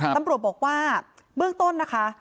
ตำรวจบอกว่าเบื้องต้นนะคะ